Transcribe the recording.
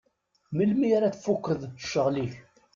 Melmi ara tekfuḍ ccɣel-ik?